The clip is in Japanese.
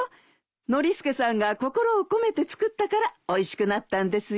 ノリスケさんが心を込めて作ったからおいしくなったんですよ。